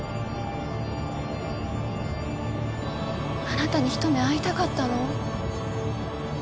あなたに一目会いたかったの。